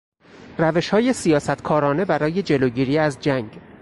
روشهای سیاستکارانه برای جلوگیری از جنگ